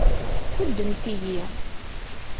Ḥuddemt-iyi!